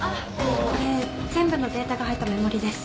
これ全部のデータが入ったメモリーです。